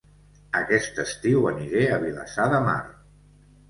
Aquest estiu aniré a Vilassar de Mar